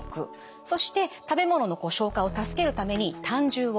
そして食べ物の消化を助けるために胆汁をつくります。